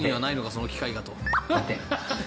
その機会がと。